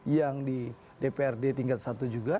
yang di dprd tingkat satu juga